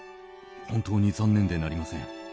本当に残念でなりません。